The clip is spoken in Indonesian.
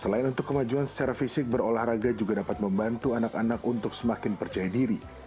dan untuk kemajuan secara fisik berolahraga juga dapat membantu anak anak untuk semakin percaya diri